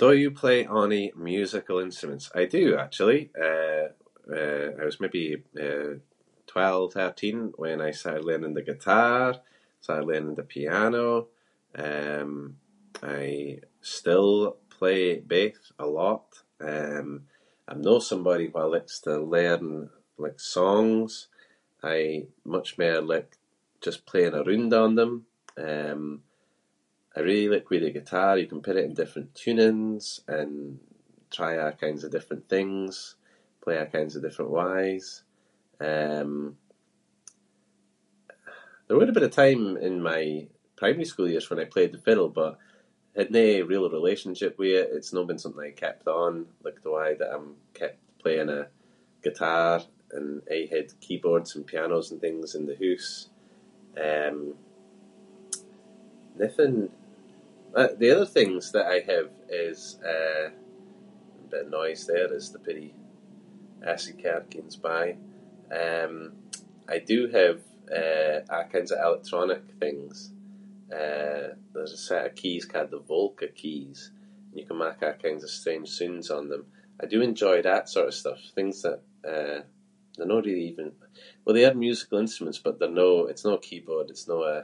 Do you play ony musical instruments? I do, actually. Eh- eh I was maybe, eh, twelve/thirteen when I started learning the guitar, so I learned the piano. Um, I still play both a lot. Um, I’m no somebody who likes to learn like songs. I much mair like just playing aroond on them. Um, I really like with the guitar you can put it in different tunings and try a’ kinds of different things, play a’ kinds of different ways. Um, there would’ve been a time in my primary school years when I played the fiddle but had no real relationship with it. It’s no been something I kept on like the way that I’m kept playing, eh, guitar and aie had keyboards and pianos and things in the hoose. Um, nothing- the other things that I have is, eh- bit of noise there as the peerie [inc] car gings by. Um, I do have, eh, a' kinds of electronic things. Eh, there’s a set of keys ca’ed the Volca Keys and you can mak a’ kinds of strange soonds on them. I do enjoy that sort of stuff- things that, eh, they’re no really even- well they are musical instruments but they’re no- it’s no a keyboard, it’s no a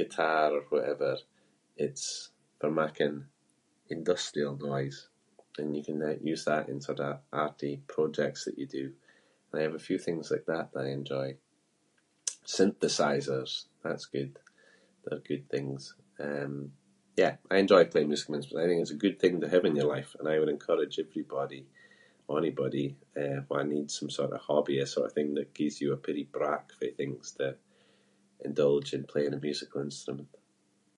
guitar or whatever. It’s for making industrial noise and you can, eh, use that in sort of arty projects that you do. I have a few things like that I enjoy. Synthesizers. That’s good. They’re good things. Um yeah, I enjoy playing musical instruments but I think it’s a good thing to have in your life and I would encourage everybody- onybody who needs some sort of hobby, the sort of thing that gives you a peerie break fae things to indulge and play on a musical instrument.